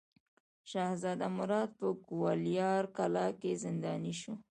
شهزاده مراد په ګوالیار کلا کې زنداني شو.